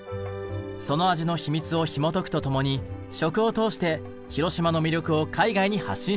その味の秘密をひもとくと共に食を通して広島の魅力を海外に発信しました。